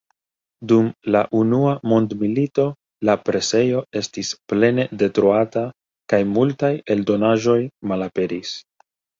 Dum la unua mondmilito la presejo estis plene detruata kaj multaj eldonaĵoj malaperis.